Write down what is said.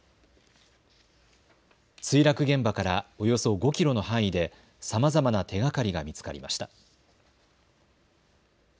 墜落現場からおよそ５キロの範囲でさまざまな手がかりが見つかりました。